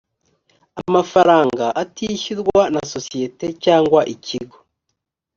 amafaranga atishyurwa na sosiyete cyangwa ikigo